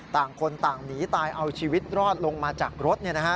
ต่างคนต่างหนีตายเอาชีวิตรอดลงมาจากรถ